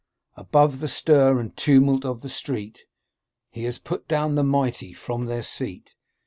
Above the stir and tumult of the street :' He has put down the mighty from their seat.